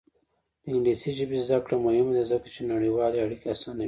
د انګلیسي ژبې زده کړه مهمه ده ځکه چې نړیوالې اړیکې اسانوي.